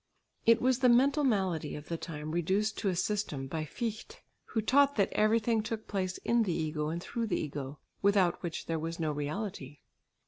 It was the mental malady of the time reduced to a system by Fichte, who taught that everything took place in the ego and through the ego, without which there was no reality.